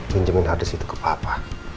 pinjemin harddisk itu ke papa